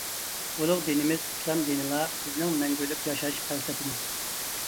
ئۇلۇغ دىنىمىز ئىسلام دىنىلا بىزنىڭ مەڭگۈلۈك ياشاش پەلسەپىمىز.